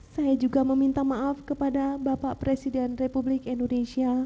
saya juga meminta maaf kepada bapak presiden republik indonesia